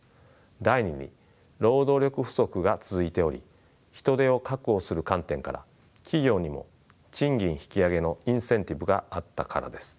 第２に労働力不足が続いており人手を確保する観点から企業にも賃金引き上げのインセンティブがあったからです。